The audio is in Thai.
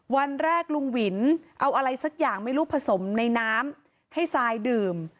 วันแรกลุงหวินเอาอะไรสักอย่างไม่รู้ผสมในน้ำให้ซายดื่ม